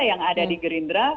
yang ada di gerindra